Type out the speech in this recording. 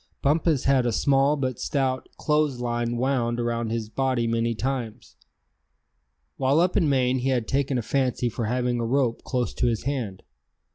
Bumpus had a small but stout clothes line wound around his body many times. While up in Maine he had taken a fancy for having a rope close to his hand.